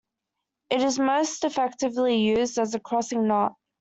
It is most effectively used as a crossing knot.